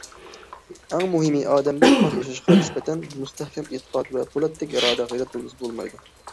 ئەڭ مۇھىمى ئادەمدە پاك ياشاشقا نىسبەتەن مۇستەھكەم ئېتىقاد ۋە پولاتتەك ئىرادە، غەيرەت بولمىسا بولمايدۇ.